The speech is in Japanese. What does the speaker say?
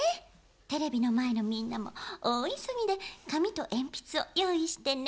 テレビのまえのみんなもおおいそぎでかみとえんぴつをよういしてね。